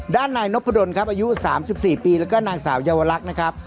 ด้านนายนพดลครับอายุ๓๔ปีแล้วก็นางสาวเยาวลักษณ์นะครับ